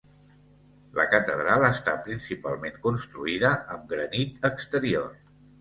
La catedral està principalment construïda amb granit exterior.